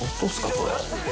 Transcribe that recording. これ。